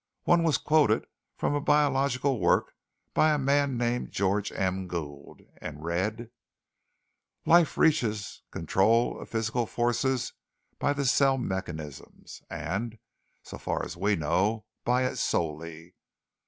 One was quoted from a biological work by a man named George M. Gould, and read: "Life reaches control of physical forces by the cell mechanism, and, so far as we know, by it solely."